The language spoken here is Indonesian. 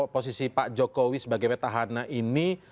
posisi pak jokowi sebagai petahana ini